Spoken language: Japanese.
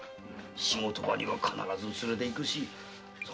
仕事場には必ず連れていくし。